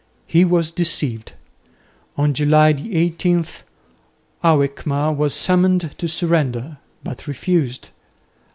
He was deceived. On July 18 Alkmaar was summoned to surrender, but refused.